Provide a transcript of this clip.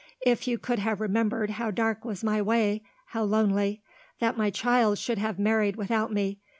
If you could have remembered how dark was my way, how lonely. That my child should have married without me.